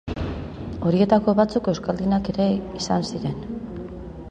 Horietako batzuk euskaldunak ere izan ziren.